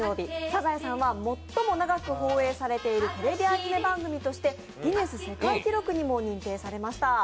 「サザエさん」は最も長く放映されているテレビアニメ番組としてギネス世界記録にも認定されました。